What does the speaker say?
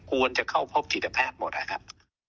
ควรจะเข้าพบจิตแพทย์หมดนะครับ